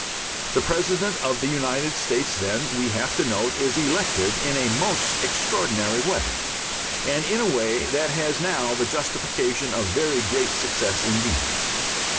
The President of the United States, then, we have to note, is elected in a most extraordinary way, and in a way that has now the justification of very great successes indeed.